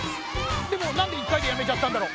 でもなんで１かいでやめちゃったんだろ。